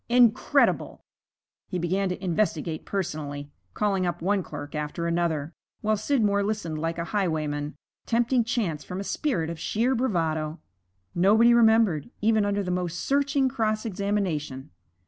Incredible! He began to investigate personally, calling up one clerk after another, while Scidmore listened like a highwayman, tempting chance from a spirit of sheer bravado. Nobody remembered, even under the most searching cross examination.